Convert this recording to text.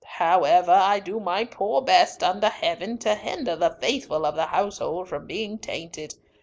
However, I do my poor best, under Heaven, to hinder the faithful of the household from being tainted.